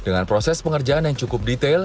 dengan proses pengerjaan yang cukup detail